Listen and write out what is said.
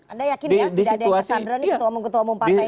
anda yakin ya tidak ada yang tersandra